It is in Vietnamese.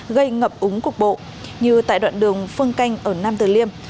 gây ngập úng cục bộ như tại đoạn đường phương canh ở nam tử liêm